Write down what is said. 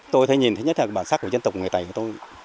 tôi thấy nhìn thấy nhất là bản sắc của dân tộc người tày của tôi